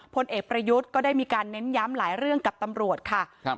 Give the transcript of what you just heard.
พลเอกประยุทธ์ก็ได้มีการเน้นย้ำหลายเรื่องกับตำรวจค่ะครับ